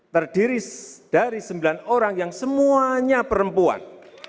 terdiri dari sembilan orang yang semuanya perempuan